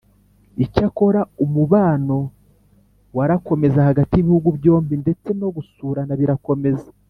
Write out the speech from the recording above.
icyakora umubano warakomeza hagati y'ibihugu byombi ndetse no gusurana birakomeza.